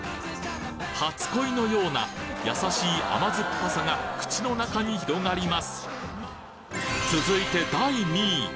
初恋のようなやさしい甘酸っぱさが口の中に広がります